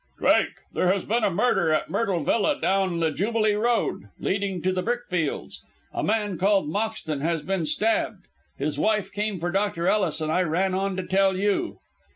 "Drake, there has been a murder at Myrtle Villa down the Jubilee Road, leading to the brickfields. A man called Moxton has been stabbed. His wife came for Dr. Ellis, and I ran on to tell you!"